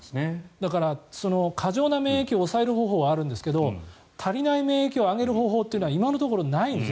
だから、過剰な免疫を抑える方法はあるんですが足りない免疫を上げる方法は今のところないんですね。